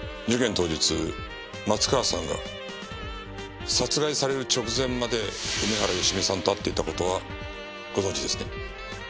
当日松川さんが殺害される直前まで梅原芳美さんと会っていた事はご存じですね？